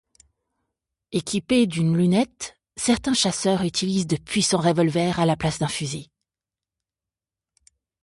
Équipés d'une lunette, certains chasseurs utilisent de puissants revolvers à la place d'un fusil.